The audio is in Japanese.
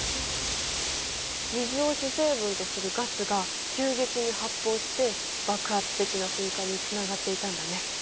水を主成分とするガスが急激に発泡して爆発的な噴火につながっていたんだね。